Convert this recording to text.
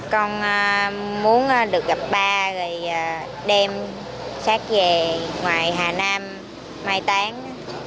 con muốn được gặp ba đêm sát về ngoài hà nam mai táng